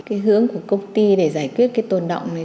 cái hướng của công ty để giải quyết cái tồn động này